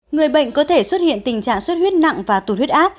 người bệnh có thể xuất hiện tình trạng suốt huyết nặng và tụt huyết ác